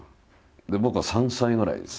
で僕は３歳ぐらいです。